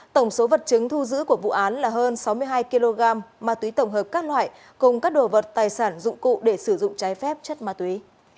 tổng số vật chứng thu giữ của vụ án là hơn sáu mươi hai kg ma túy tổng hợp các loại cùng các đồ vật tài sản dụng cụ để sử dụng trái phép chất ma túy